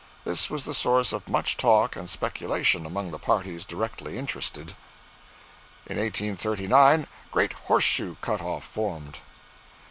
This was the source of much talk and speculation among parties directly interested. 'In 1839 Great Horseshoe cut off formed.